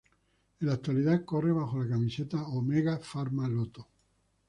En la actualidad corre bajo la camiseta Omega Pharma-Lotto.